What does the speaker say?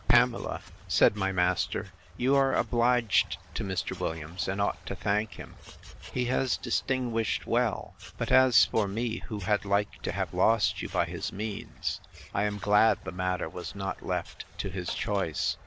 Pamela, said my master, you are obliged to Mr. Williams, and ought to thank him: He has distinguished well. But, as for me, who had like to have lost you by his means, I am glad the matter was not left to his choice.